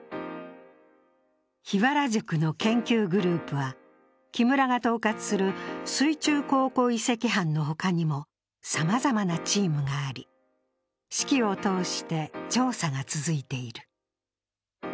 桧原宿の研究グループは、木村が統括する水中考古遺跡班のほかにもさまざまなチームがあり四季を通して調査が続いている。